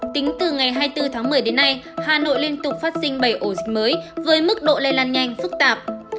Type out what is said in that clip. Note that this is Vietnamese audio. tính từ ngày hai mươi bốn tháng một mươi đến nay hà nội liên tục phát sinh bảy ổ dịch mới với mức độ lây lan nhanh phức tạp